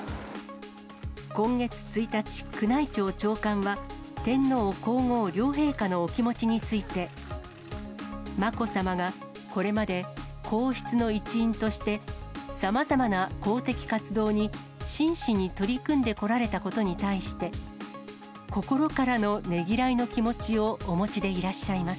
今月１日、宮内庁長官は、天皇皇后両陛下のお気持ちについて。まこさまがこれまで皇室の一員として、さまざまな公的活動に、真摯に取り組んでこられたことに対して、心からのねぎらいの気持ちをお持ちでいらっしゃいます。